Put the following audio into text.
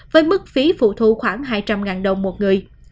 với mức phí phụ thu khoảng hai trăm linh đồng một người